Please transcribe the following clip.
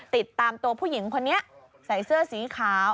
ติดตามตัวผู้หญิงคนนี้ใส่เสื้อสีขาว